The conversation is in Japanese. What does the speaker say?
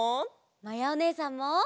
まやおねえさんも！